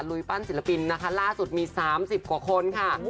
ปั้นศิลปินนะคะล่าสุดมี๓๐กว่าคนค่ะ